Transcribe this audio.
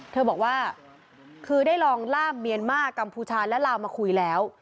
เธอบอกว่าคือได้ลองล่ามเมียนมากกัมพูชาและลาวมาคุยแล้ว